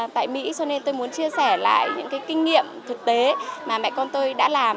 tại mỹ cho nên tôi muốn chia sẻ lại những cái kinh nghiệm thực tế mà mẹ con tôi đã làm